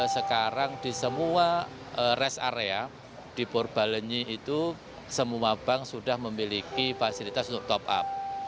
sekarang di semua rest area di purbalenyi itu semua bank sudah memiliki fasilitas untuk top up